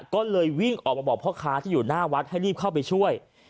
ก็เลยวิ่งออกมาบอกพ่อค้าที่อยู่หน้าวัดให้รีบเข้าไปช่วย